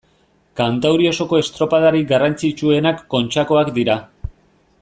Kantauri osoko estropadarik garrantzitsuenak Kontxakoak dira.